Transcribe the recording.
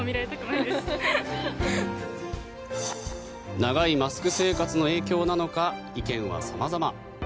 長いマスク生活の影響なのか、意見は様々。